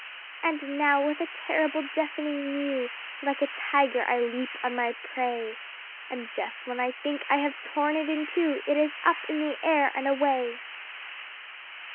And now with a terrible deafening mew, Like a Tiger I leap on my prey, And just when I think I have torn it in two It is up in the air and away.